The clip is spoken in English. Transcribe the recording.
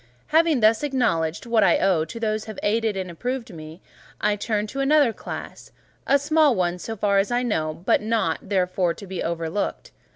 Having thus acknowledged what I owe those who have aided and approved me, I turn to another class; a small one, so far as I know, but not, therefore, to be overlooked.